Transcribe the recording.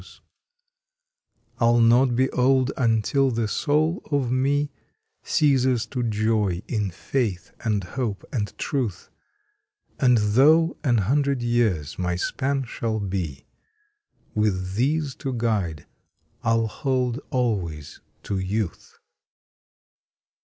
June Twenty eighth I ll not be old until the soul of me Ceases to joy in Faith and Hope and Truth, And though an hundred years my span shall be, With these to guide I ll hold always to Youth.